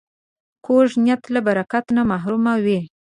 کوږ نیت له برکت نه محروم وي